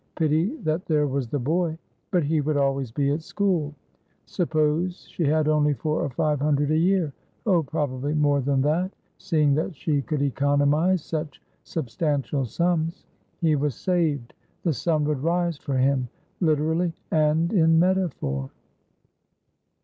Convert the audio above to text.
Pity that there was the boy; but he would always be at school. Suppose she had only four or five hundred a year? Oh, probably more than that, seeing that she could economise such substantial sums. He was saved; the sun would rise for him, literally and in metaphor.